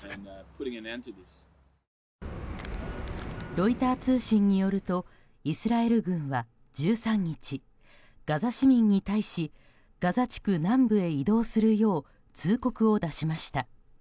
ロイター通信によるとイスラエル軍は１３日ガザ市民に対しガザ地区南部へ移動するよう通告を出しました。